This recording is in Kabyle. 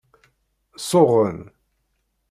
Suɣen.